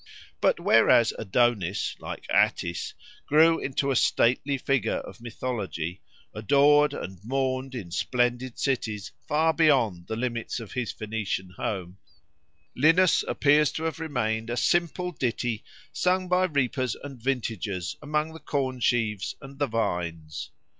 But whereas Adonis, like Attis, grew into a stately figure of mythology, adored and mourned in splendid cities far beyond the limits of his Phoenician home, Linus appears to have remained a simple ditty sung by reapers and vintagers among the corn sheaves and the vines.